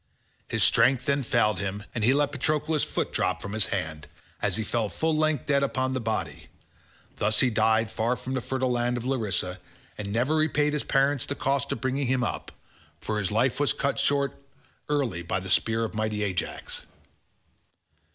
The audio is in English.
His strength then failed him and he let Patroclus' foot drop from his hand, as he fell full length dead upon the body; thus he died far from the fertile land of Larissa, and never repaid his parents the cost of bringing him up, for his life was cut short early by the spear of mighty Ajax.